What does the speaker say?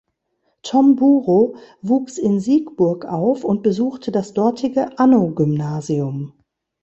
Tom Buhrow wuchs in Siegburg auf und besuchte das dortige Anno-Gymnasium.